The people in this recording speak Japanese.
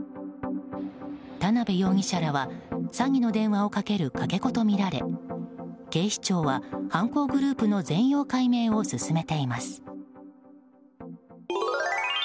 田辺容疑者らは詐欺の電話をかけるかけ子とみられ警視庁は犯行グループの全容解明を進めています。